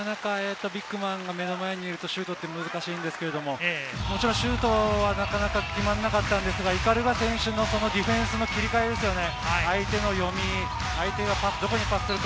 ビッグマンが目の前にいると、シュートって難しいんですけれども、シュートはなかなか決まらなかったんですけれども、鵤選手のディフェンスの切り替えですよね。